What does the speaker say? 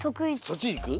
そっちいく？